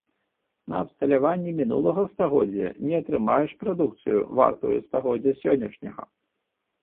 На абсталяванні мінулага стагоддзя не атрымаеш прадукцыю, вартую стагоддзя сённяшняга.